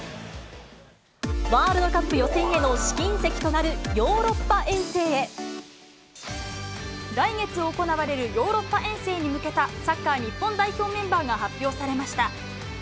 ワールドカップ予選への試金来月行われるヨーロッパ遠征に向けた、サッカー日本代表メンバーが発表されました。